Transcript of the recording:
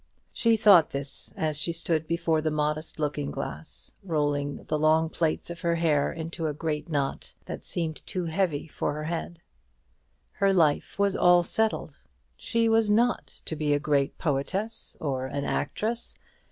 She thought this as she stood before the modest looking glass, rolling the long plaits of hair into a great knot, that seemed too heavy for her head. Her life was all settled. She was not to be a great poetess or an actress.